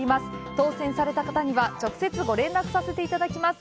当せんされた方には、直接、ご連絡させていただきます。